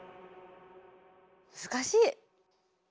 難しい！